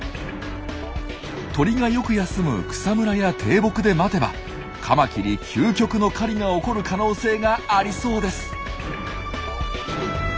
鳥がよく休む草むらや低木で待てばカマキリ究極の狩りが起こる可能性がありそうです！